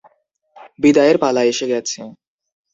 বিদায়ের পালা এসে গেছে।